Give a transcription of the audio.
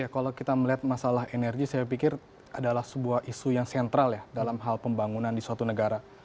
kalau kita melihat masalah energi saya pikir adalah sebuah isu yang sentral ya dalam hal pembangunan di suatu negara